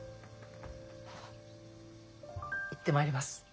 行ってまいります。